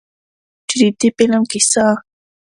چې د دې فلم قيصه